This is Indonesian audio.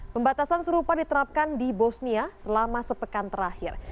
pembatasan serupa diterapkan di bosnia selama sepekan terakhir